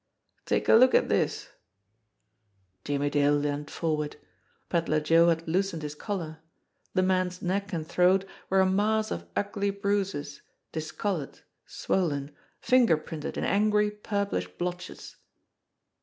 Take a look at dis !" Jimmie Dale leaned forward. Pedler Joe had loosened his collar. The man's neck and throat were a mass of ugly bruises, discolored, swollen, finger printed in angry, pur plish blotches.